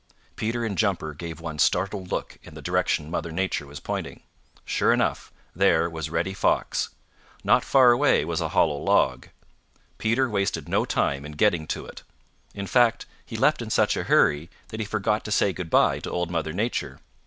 Peter and Jumper gave one startled look in the direction Mother Nature was pointing. Sure enough, there was Reddy Fox. Not far away was a hollow log. Peter wasted no time in getting to it. In fact, he left in such a hurry that he forgot to say good by to Old Mother Nature.